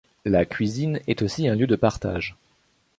la cuisine est aussi un lieu de partage